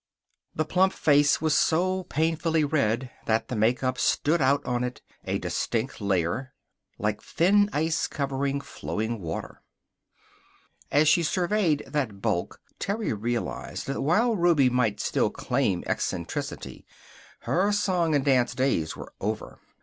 The plump face went so painfully red that the make up stood out on it, a distinct layer, like thin ice covering flowing water. As she surveyed that bulk Terry realized that while Ruby might still claim eccentricity, her song and dance days were over.